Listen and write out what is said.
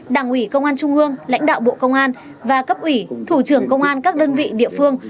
đảng ủy công an trung ương lãnh đạo bộ công an và cấp ủy thủ trưởng công an các đơn vị địa phương